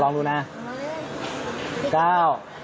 ลองดูนะ๙๕๔คูณ๘